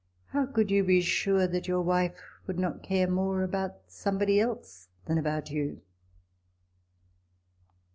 how could you be sure that your wife would not care more about somebody else than about you